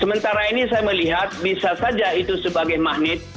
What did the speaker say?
sementara ini saya melihat bisa saja itu sebagai magnet